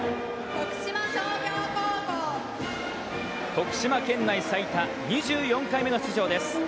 徳島県内最多、２４回目の出場です。